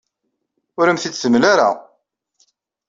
Ur am-t-id-temla ara.